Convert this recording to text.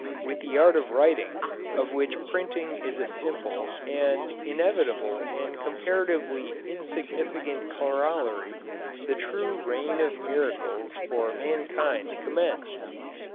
With the art of Writing, of which Printing is a simple, an inevitable and comparatively insignificant corollary, the true reign of miracles for mankind commenced."